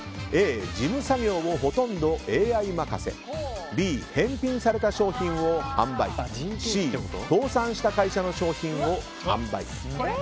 Ａ、事務作業をほとんどＡＩ任せＢ、返品された商品を販売Ｃ、倒産した会社の商品を販売。